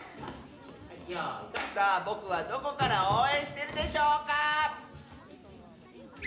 さあぼくはどこからおうえんしてるでしょうか？